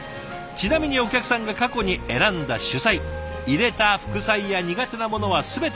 ちなみにお客さんが過去に選んだ主菜入れた副菜や苦手なものは全て記録。